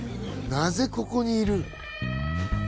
なぜここにいる。